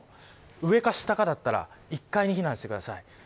上か下かだったら１階に避難してください。